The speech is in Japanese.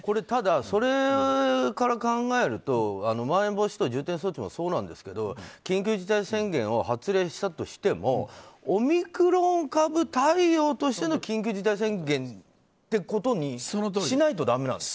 ただ、それから考えるとまん延防止等重点措置もそうですけど緊急事態宣言を発令したとしてもオミクロン株対応としての緊急事態宣言ってことにそのとおりです。